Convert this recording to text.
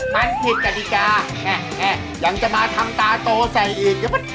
มันผิดกฎิกายังจะมาทำตาโตใส่อีก